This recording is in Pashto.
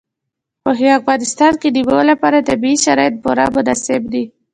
په افغانستان کې د مېوو لپاره طبیعي شرایط پوره مناسب دي.